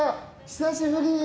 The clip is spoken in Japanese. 久しぶり！